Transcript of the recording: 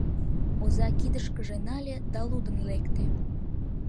Оза кидышкыже нале да лудын лекте.